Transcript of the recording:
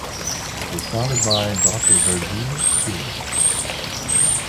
It was founded by Doctor Verghese Kurien.